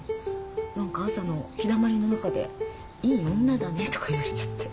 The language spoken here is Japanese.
何か朝の日だまりの中で「いい女だね」とか言われちゃって。